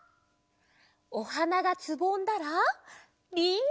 おはながつぼんだらりんご！